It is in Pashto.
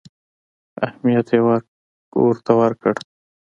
اهمیت یې ورته ورکړ.